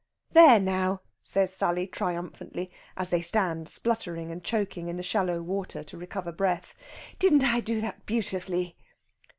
"There now!" says Sally triumphantly, as they stand spluttering and choking in the shallow water to recover breath. "Didn't I do that beautifully?"